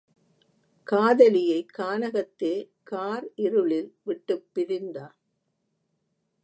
காதலியைக் கானகத்தே காரிருளில் விட்டுப் பிரிந்தான்.